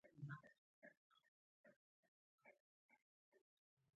افغانستان په منی غني دی.